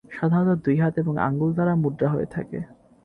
সাধারণত দুই হাত এবং আঙুল দ্বারা মুদ্রা হয়ে থাকে।